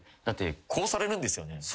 だってこうされるんですよね。